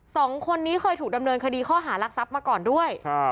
สองคนนี้เคยถูกดำเนินคดีข้อหารักทรัพย์มาก่อนด้วย